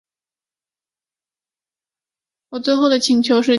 我最后的请求是牵着妳的手